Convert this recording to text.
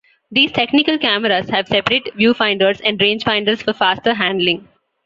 These "technical cameras" have separate viewfinders and rangefinders for faster handling.